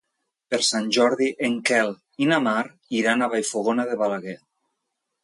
Per Sant Jordi en Quel i na Mar iran a Vallfogona de Balaguer.